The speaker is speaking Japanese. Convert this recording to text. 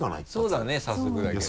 そうだね早速だけど。